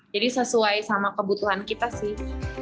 jadi sesuai sama kebutuhan kita sih